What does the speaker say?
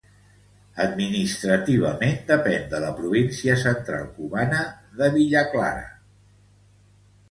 Administrativament depèn de la província central cubana de Villa Clara.